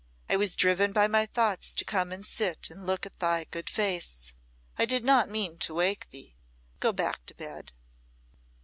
I was driven by my thoughts to come and sit and look at thy good face I did not mean to wake thee. Go back to bed."